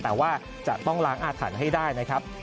แต่ว่าจะต้องล้างอาถรรพ์ให้ได้นะครับ